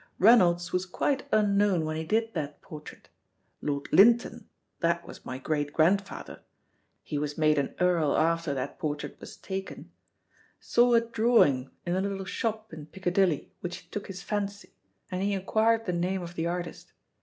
Reynolds was quite unknown when he did that portrait. Lord Linton, that was my great grand father he was made an earl after that portrait was taken saw a drawing in a little shop in Piccadilly, which took his fancy, and he inquired the name of the artist.